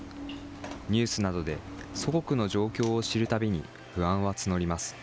ニュースなどで祖国の状況を知るたびに、不安は募ります。